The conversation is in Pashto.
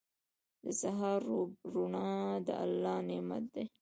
• د سهار روڼا د الله نعمت دی.